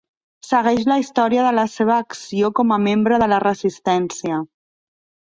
Segueix la història de la seva acció com a membre de la resistència.